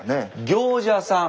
行者さん。